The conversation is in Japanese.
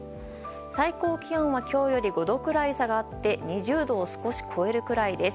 最高気温は今日より５度くらい下がって２０度を少し超えるくらいです。